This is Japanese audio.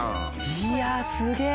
いやすげぇ。